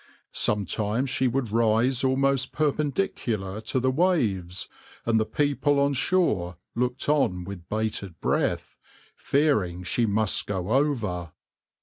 Sometimes she would rise almost perpendicular to the waves, and the people on shore looked on with bated breath, fearing she must go over.